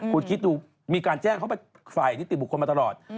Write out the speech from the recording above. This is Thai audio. คุณคิดดูมีการแจ้งเข้าไปฝ่ายนิติบุคคลมาตลอด